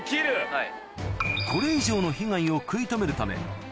はい。